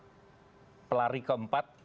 karena dalam waktu pelari keempat